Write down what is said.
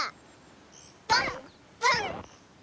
パンパン！